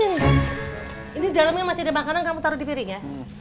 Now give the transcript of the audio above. ini dalamnya masih ada makanan kamu taruh di piring ya